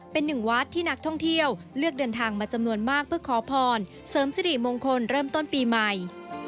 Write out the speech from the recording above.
เป็นหนึ่งวัดที่นักท่องเที่ยวเลือกเดินทางมาจำนวนมากเพื่อขอพรเสริมสิริมงคลเริ่มต้นปีใหม่